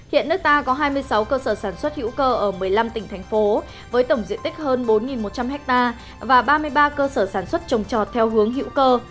hiện nước ta có hai mươi sáu cơ sở sản xuất hữu cơ ở một mươi năm tỉnh thành phố với tổng diện tích hơn bốn một trăm linh ha và ba mươi ba cơ sở sản xuất trồng trọt theo hướng hữu cơ